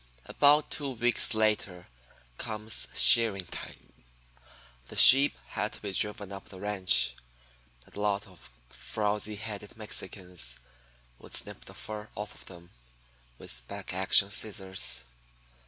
"About two weeks later comes shearing time. The sheep had to be driven up to the ranch, and a lot of frowzy headed Mexicans would snip the fur off of them with back action scissors.